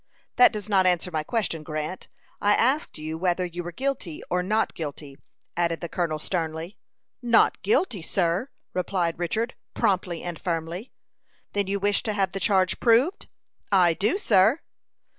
"That does not answer my question, Grant. I asked you whether you were guilty or not guilty," added the colonel, sternly. "Not guilty, sir!" replied Richard, promptly and firmly. "Then you wish to have the charge proved?" "I do, sir."